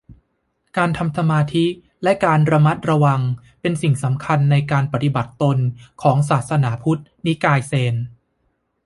การทำสมาธิและการระมัดระวังเป็นสิ่งสำคัญในการปฏิบัติตนของศาสนาพุทธนิกายเซน